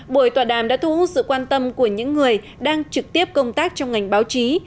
buổi tọa đàm đã thu hút sự quan tâm của những người đang trực tiếp công tác trong ngành báo chí